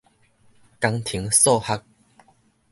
工程數學